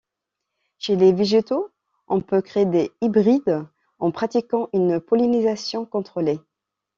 Chez les végétaux, on peut créer des hybrides en pratiquant une pollinisation contrôlée.